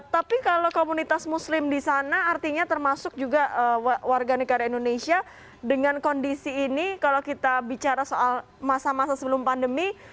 tapi kalau komunitas muslim di sana artinya termasuk juga warga negara indonesia dengan kondisi ini kalau kita bicara soal masa masa sebelum pandemi